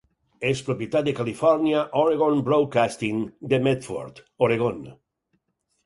És propietat de California Oregon Broadcasting de Medford, Oregon.